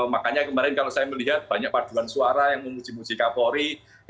makanya kemarin kalau saya melihat banyak paduan suara yang memuji muji kapolri